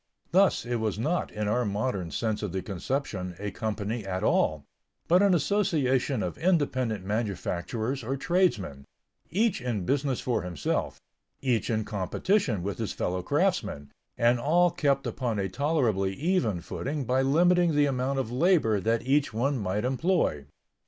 Thus, it was not, in our modern sense of the conception, a company at all, but an association of independent manufacturers or tradesmen, each in business for himself, each in competition with his fellow craftsmen, and all kept upon a tolerably even footing by limiting the amount of labor that each one might employ.